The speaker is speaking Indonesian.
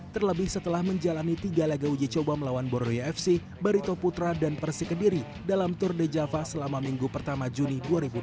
terlebih setelah menjalani tiga laga uji coba melawan boroyo fc barito putra dan persikediri dalam tour de java selama minggu pertama juni dua ribu dua puluh